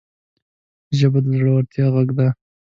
ژبه د زړورتیا غږ ده